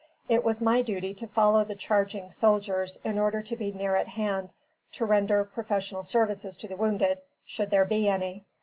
It was my duty to follow the charging soldiers in order to be near at hand to render professional services to the wounded, should there be any.